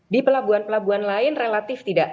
di pelabuhan pelabuhan lain relatif tidak